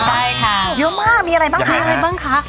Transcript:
ใช่ค่ะเยอะมากมีอะไรบ้างคะอะไรบ้างคะ